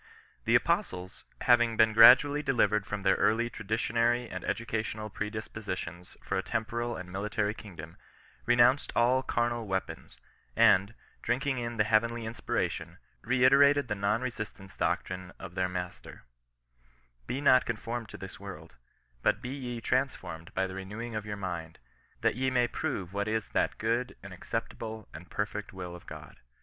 The Apostles, having been gradually delivered from their early traditionary and educational predispositions for a temporal and military kingdom, renounced all carnal weapons, and, drinking in the heavenly inspira tion, reiterated the non resistance doctrine of their Mas ter :" Be not conformed to this world ; but be ye trans formed by the renewing of your mind, that ye may prove what is that good, and acceptable and perfect will of Gk)d."